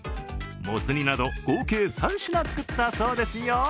モツ煮など合計３品作ったそうですよ。